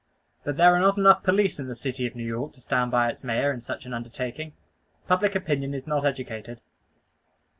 But there are not enough police in the city of New York to stand by its Mayor in such an undertaking; public opinion is not educated.